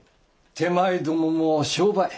手前どもも商売。